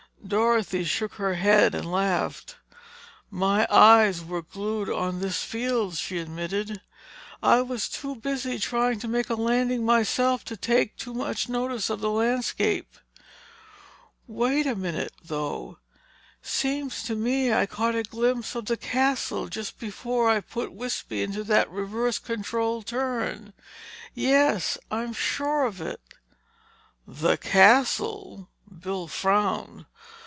Dorothy shook her head and laughed. "My eyes were glued on this field," she admitted. "I was too busy trying to make a landing myself to take in much of the landscape. Wait a minute, though—seems to me I caught a glimpse of the Castle just before I put Wispy into that reverse control turn. Yes, I'm sure of it." "The Castle?" Bill frowned.